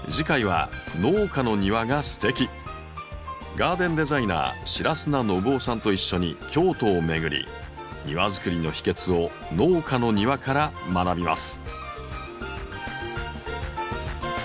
ガーデンデザイナー白砂伸夫さんと一緒に京都を巡り庭づくりの秘訣を農家の庭から学びます。